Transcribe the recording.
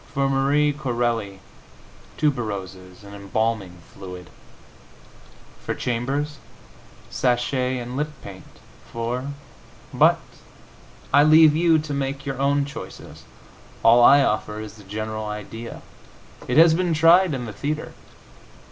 For Marie Corelli, tuberoses and embalming fluid. For Chambers, sachet and lip paint. For But I leave you to make your own choices. All I offer is the general idea. It has been tried in the theatre.